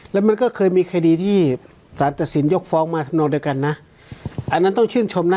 แล้วมันก็เคยมีคดีที่สารตัดสินยกฟ้องมาสำนวนด้วยกันนะอันนั้นต้องชื่นชมนะ